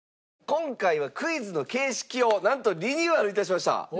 今回はクイズの形式をなんとリニューアルいたしました。